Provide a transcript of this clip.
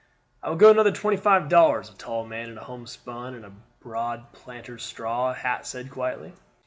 "I will go another twenty five dollars," a tall man in homespun and a broad planter's straw hat said quietly.